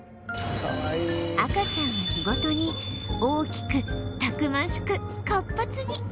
赤ちゃんは日ごとに大きくたくましく活発に